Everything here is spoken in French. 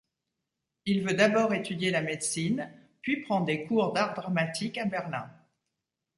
Il veut d'abord étudier la médecine puis prend des cours d'art dramatique à Berlin.